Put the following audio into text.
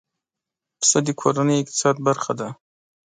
پسه د کورنۍ اقتصاد برخه ده.